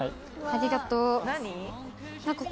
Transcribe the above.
ありがとう。